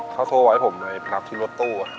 เขาโทรไว้ผมเลยพักที่รถตู้